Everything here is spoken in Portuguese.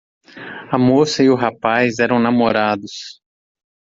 A moça e o rapaz eram namorados.